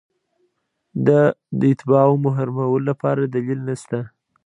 دا د اتباعو محرومولو لپاره دلیل نشته.